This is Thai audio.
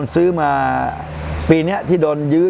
ซื้อมาปีนี้ที่โดนยื้อ